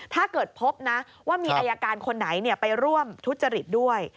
ถ้าเกิดพบนะว่ามีอายการคนไหนไปร่วมทุจริตด้วย